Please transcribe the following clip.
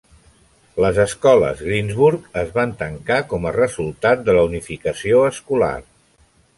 Les escoles Greensburg es van tancar com a resultat de la unificació escolar.